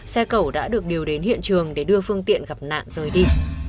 xe cẩu đã được điều đến hiện trường để đưa phương tiện gặp nạn rời đi